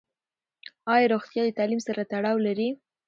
ایا روغتیا د تعلیم سره تړاو لري؟